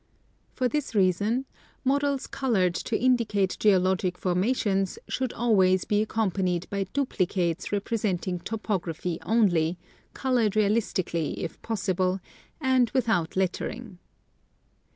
For this reason models colored to indicate geologic formations should always be accompanied by duplicates representing topography only, colored realistically, if possible, and without lettering.